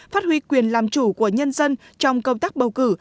phát huy quyền làm chủ của nhân dân trong công tác bầu cử